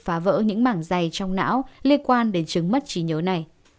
phá vỡ những mảng dày trong não liên quan đến chứng mất trí nhớ này